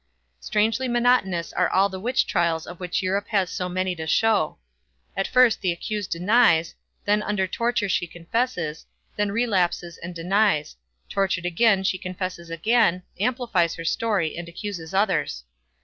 Strangely monotonous are all the witch trials of which Europe has so many to show. At first the accused denies, then under torture she confesses, then relapses and denies; tortured again she confesses again, amplifies her story, and accuses others.